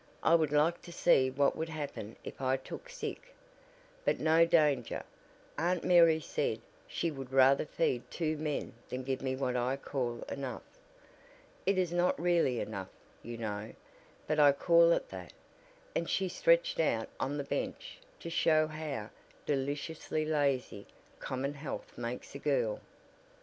I would like to see what would happen if I took sick. But no danger. Aunt Mary said she would rather feed two men than give me what I call enough. It is not really enough, you know, but I call it that," and she stretched out on the bench to show how "deliciously lazy" common health makes a girl.